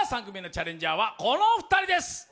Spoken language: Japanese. ３組目のチャレンジャーはこのお二人です。